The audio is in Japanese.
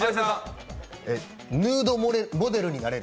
ヌードモデルになれる？